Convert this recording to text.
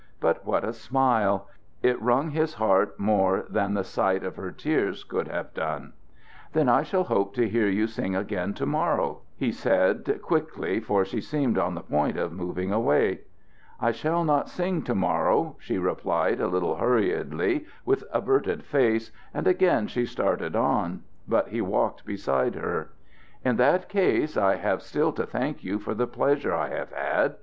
But what a smile! It wrung his heart more than the sight of her tears could have done. "Then I shall hope to hear you sing again to morrow," he said, quickly, for she seemed on the point of moving away. "I shall not sing to morrow," she replied a little hurriedly, with averted face, and again she started on. But he walked beside her. "In that case I have still to thank you for the pleasure I have had.